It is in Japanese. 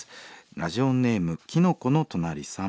ラジオネームキノコのとなりさん。